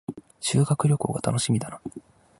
修学旅行が楽しみだな